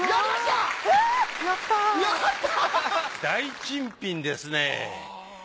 大珍品ですね。